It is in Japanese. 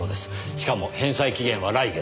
しかも返済期限は来月。